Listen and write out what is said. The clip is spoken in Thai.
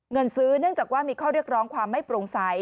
เงินซื้อเนื่องจากว่ามีข้อเรียกร้องความไม่โปร่งใส